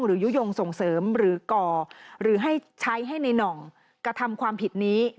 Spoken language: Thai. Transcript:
ยุโยงส่งเสริมหรือก่อหรือให้ใช้ให้ในน่องกระทำความผิดนี้